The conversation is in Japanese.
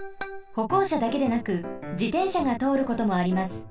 ほこうしゃだけでなく自転車がとおることもあります。